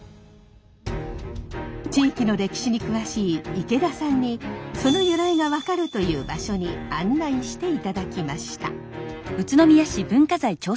地域の歴史に詳しい池田さんにその由来が分かるという場所に案内していただきました。